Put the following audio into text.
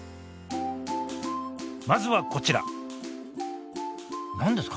まずはこちら何ですか？